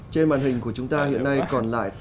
trên màn hình của chúng ta hiện nay còn lại